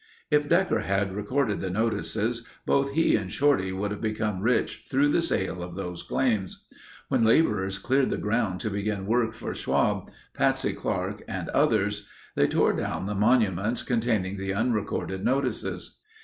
If Decker had recorded the notices both he and Shorty would have become rich through the sale of those claims. When laborers cleared the ground to begin work for Schwab, Patsy Clark, and others, they tore down the monuments containing the unrecorded notices.